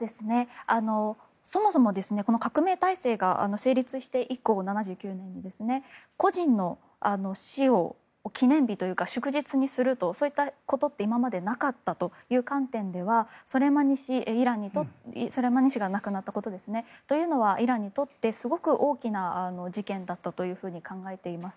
そもそもこの革命体制が７９年に成立して以降個人の死を記念日というか祝日にするというそういったことって今までなかったという観点ではソレイマニ氏が亡くなったことはイランにとってすごく大きな事件だったと考えています。